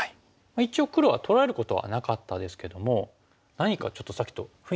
一応黒は取られることはなかったですけども何かちょっとさっきと雰囲気変わりましたよね。